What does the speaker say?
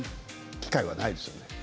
機会はないですよね？